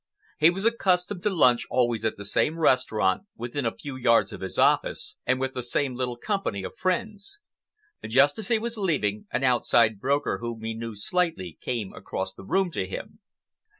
He was accustomed to lunch always at the same restaurant, within a few yards of his office, and with the same little company of friends. Just as he was leaving, an outside broker whom he knew slightly came across the room to him.